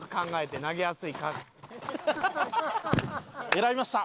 選びました。